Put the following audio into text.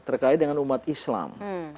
terkait dengan umat islam